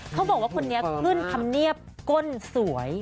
เขาบอกว่าคนนี้ขึ้นธรรมเนียบก้นสวย